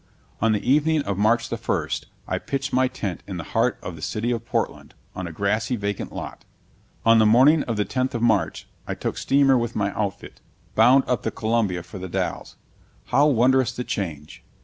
On the evening of March the first I pitched my tent in the heart of the city of Portland, on a grassy vacant lot. On the morning of the tenth of March I took steamer with my outfit, bound up the Columbia for The Dalles. How wondrous the change!